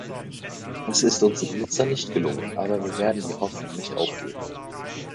Das ist uns in Nizza nicht gelungen, aber wir werden die Hoffnung nicht aufgeben.